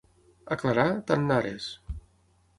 A Clarà, tannares.